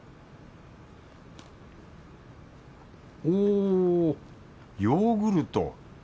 おヨーグルト。